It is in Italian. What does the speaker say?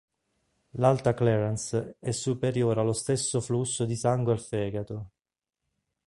L'alta clearance è superiore allo stesso flusso di sangue al fegato.